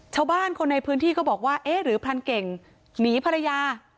ชาวบ้านคนในพื้นที่ก็บอกว่าเอ๊ะหรือพรานเก่งหนีภรรยา